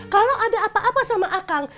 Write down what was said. kalau ada apa apa sama akang